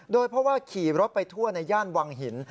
โดยเพราะว่าขี่รถไปทั่วในย่านวังหิน